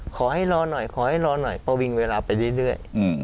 ขอให้รอหน่อยขอให้รอหน่อยประวิงเวลาไปเรื่อย